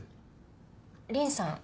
凛さん